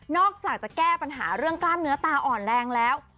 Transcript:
อกจากจะแก้ปัญหาเรื่องกล้ามเนื้อตาอ่อนแรงแล้ว